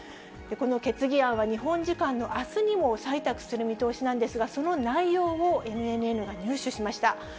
この決議案は日本時間のあすにも採択する見通しなんですが、その内容をＮＮＮが入手しました。